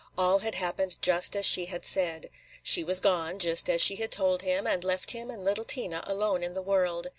All had happened just as she had said. She was gone, just as she had told him, and left him and little Tina alone in the world.